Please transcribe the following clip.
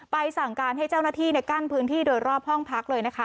สั่งการให้เจ้าหน้าที่กั้นพื้นที่โดยรอบห้องพักเลยนะคะ